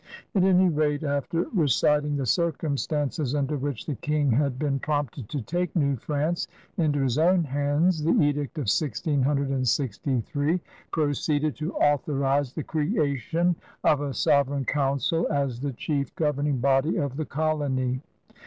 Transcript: At any rate, after reciting the circumstances under which the King had been prompted to take New France into his own hands, the edict of 1663 proceeded to authorize the creation of a Sovereign Council as the chief governing body of the colony.